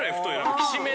きしめん。